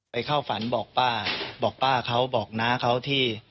เข้าฝันบอกป้าบอกป้าเขาบอกน้าเขาที่